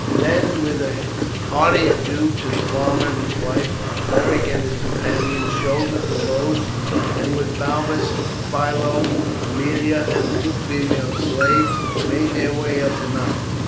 Then, with a hearty adieu to the farmer and his wife, Beric and his companions shouldered the loads, and with Balbus, Philo, Aemilia, and the two female slaves made their way up the mountain.